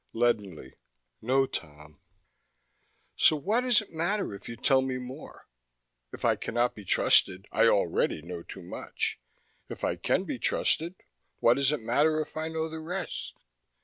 Leadenly: "No, Tom." "So what does it matter if you tell me more? If I cannot be trusted, I already know too much. If I can be trusted, what does it matter if I know the rest?"